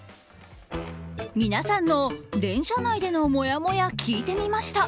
皆さんの電車内でのもやもや聞いてみました。